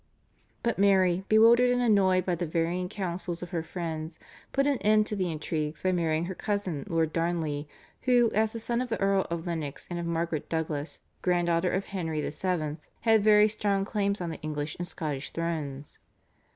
But Mary, bewildered and annoyed by the varying counsels of her friends, put an end to the intrigues by marrying her cousin Lord Darnley, who as the son of the Earl of Lennox and of Margaret Douglas, granddaughter of Henry VII., had very strong claims on the English and Scottish thrones.